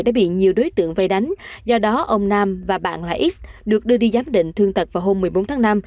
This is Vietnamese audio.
đã bị nhiều đối tượng vây đánh do đó ông nam và bạn là x được đưa đi giám định thương tật vào hôm một mươi bốn tháng năm